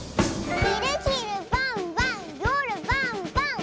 「ひるひるばんばんよるばんばん！」